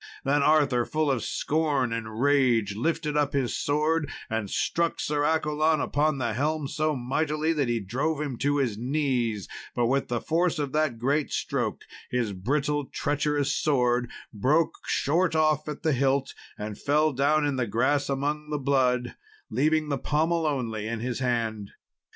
Then Arthur, full of scorn and rage, lifted up his sword and struck Sir Accolon upon the helm so mightily that he drove him to his knees; but with the force of that great stroke his brittle, treacherous sword broke short off at the hilt, and fell down in the grass among the blood, leaving the pommel only in his hand.